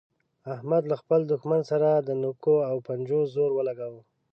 احمد له خپل دوښمن سره د نوکو او پنجو زور ولګاوو.